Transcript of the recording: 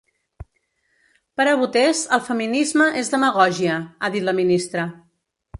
Per a votés el feminisme és demagògia, ha dit la ministra.